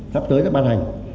sắp tới sẽ ban hành